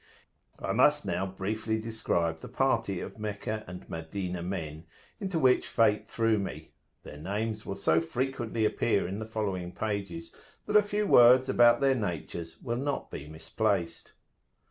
I must now briefly describe the party of Meccah and Madinah men into which fate threw me: their names will so frequently appear in the following pages, that a few words about their natures will not be misplaced.